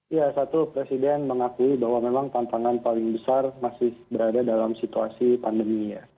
ya satu presiden mengakui bahwa memang tantangan paling besar masih berada dalam situasi pandemi ya